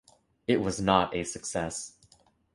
It was not a success.